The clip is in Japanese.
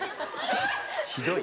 ひどい。